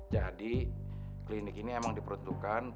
jadi klinik ini emang diperuntukkan